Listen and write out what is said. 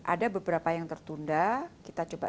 ada beberapa yang tertunda kita coba